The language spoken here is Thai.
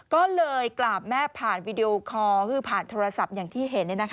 ก็เลยกราบแม่ผ่านวีดีโอคอร์คือผ่านโทรศัพท์อย่างที่เห็น